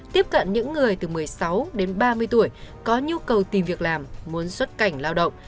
tiếp cận những người từ một mươi sáu đến ba mươi tuổi có nhu cầu tìm việc làm muốn xuất cảnh lao động